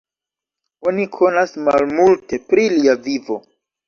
Oni konas malmulte pri lia vivo.